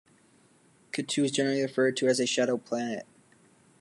Ketu is generally referred to as a "shadow" planet.